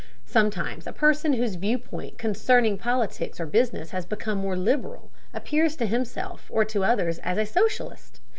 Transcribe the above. Sometimes a person whose viewpoint concerning politics or business has become more liberal appears to himself or to others as a socialist.